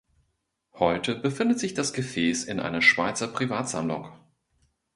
Heute befindet sich das Gefäß in einer Schweizer Privatsammlung.